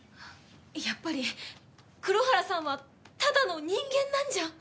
やっぱり黒原さんはただの人間なんじゃ？